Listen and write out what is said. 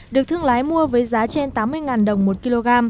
được thương lái mua với giá trên tám mươi đồng một kg